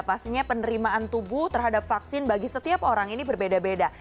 pastinya penerimaan tubuh terhadap vaksin bagi setiap orang ini berbeda beda